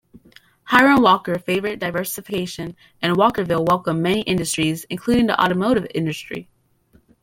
Hiram Walker favoured diversification and Walkerville welcomed many industries including the automotive industry.